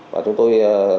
và chúng tôi